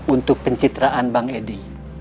untuk pencitraan bank edi